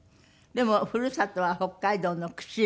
でもふるさとは北海道の釧路。